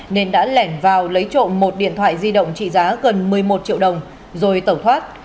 nên đã lẻn vào lấy trộm một điện thoại di động trị giá gần một mươi một triệu đồng rồi tẩu thoát